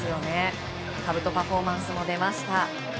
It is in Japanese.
かぶとパフォーマンスも出ました。